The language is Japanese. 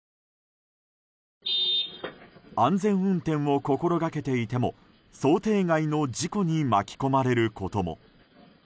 安全運転を心がけていても想定外の事故に巻き込まれることも。